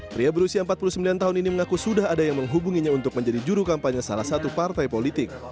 pria berusia empat puluh sembilan tahun ini mengaku sudah ada yang menghubunginya untuk menjadi juru kampanye salah satu partai politik